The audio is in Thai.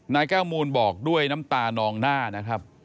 นายแก้วมูลบอกด้วยน้ำตานองหน้านะครับ